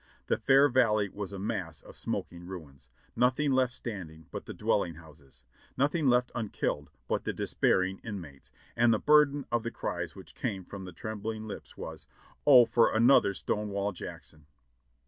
The fair Valley was a mass of smoking ruins ; nothing left stand ing but the dwelling houses ; nothing left unkilled but the despair ing inmates ; and the burden of the cries which came from trembling lips was, "O for another Stonewall Jackson